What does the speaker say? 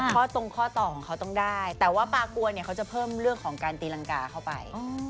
ตรงข้อต่อของเขาต้องได้แต่ว่าปลากวนเนี่ยเขาจะเพิ่มเรื่องของการตีรังกาเข้าไป